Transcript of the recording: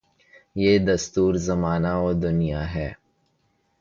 یہ دستور زمانہ و دنیاہے۔